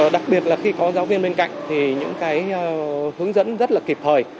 đặc biệt là khi có giáo viên bên cạnh thì những cái hướng dẫn rất là kịp thời